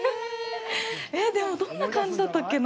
ええ、でもどんな感じだったっけな。